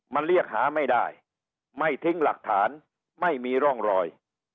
มันเรียกหาไม่ได้ไม่ทิ้งหลักฐานไม่มีร่องรอย